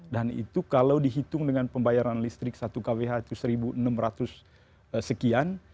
dan itu kalau dihitung dengan pembayaran listrik satu kwh itu satu enam ratus sekian